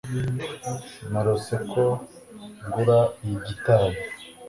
Narose ko ngura iyi gitari.